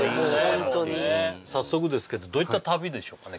ホントに早速ですけどどういった旅でしょうかね